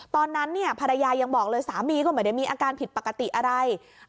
ตอนนั้นเนี่ยภรรยายังบอกเลยสามีก็ไม่ได้มีอาการผิดปกติอะไร